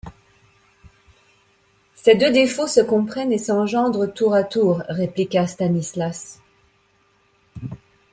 Ces deux défauts se comprennent et s'engendrent tour à tour, répliqua Stanislas.